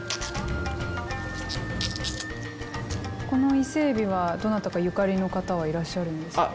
この伊勢海老はどなたかゆかりの方はいらっしゃるんですか？